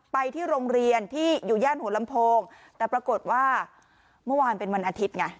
ไปที่โรงเรียนที่อยู่ย่านหัวลำโพงแต่ปรากฏว่าเมื่อวานเป็นวันอาทิตย์ไง